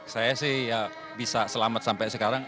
saya sih ya bisa selamat sampai sekarang